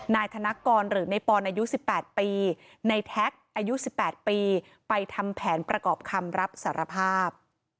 นายธนกรหรือในปอนด์อายุสิบแปดปีในอายุสิบแปดปีไปทำแผนประกอบคำรับสารภาพ